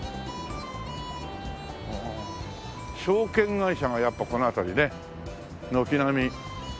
証券会社がやっぱこの辺りね軒並み。